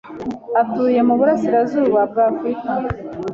atuye muburasirazuba bwa Afrika.